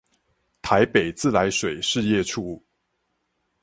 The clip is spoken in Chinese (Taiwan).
臺北自來水事業處